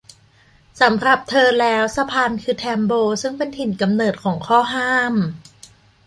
สำหรับเธอแล้วสะพานคือแทมโบซึ่งเป็นถิ่นกำเนิดของข้อห้าม